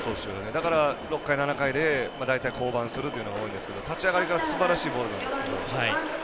だから６回、７回で降板が多いんですけど立ち上がりからすばらしいボールなんですけど。